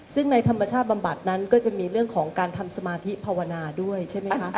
ซึ่งในธรรมชาติบำบัดนั้นก็จะมีเรื่องของการทำสมาธิภาวนาด้วยใช่ไหมคะ